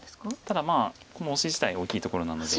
ただこのオシ自体が大きいところなので。